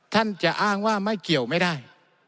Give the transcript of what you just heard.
ท่านจะอ้างว่าไม่เกี่ยวไม่ได้